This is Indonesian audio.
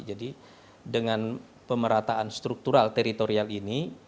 jadi dengan pemerataan struktural teritorial ini